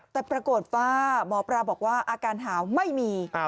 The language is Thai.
แต่ปรากฏว่าหมอปลาบอกว่าอาการหาวไม่มี